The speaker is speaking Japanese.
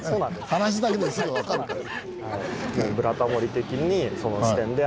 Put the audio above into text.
話だけですぐ分かるから。